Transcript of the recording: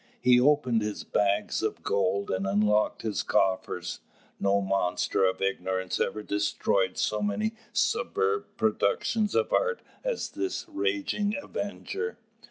He opened his bags of gold and unlocked his coffers. No monster of ignorance ever destroyed so many superb productions of art as did this raging avenger.